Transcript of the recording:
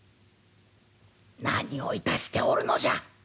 「何を致しておるのじゃ！